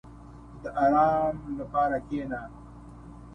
• د آرام لپاره کښېنه.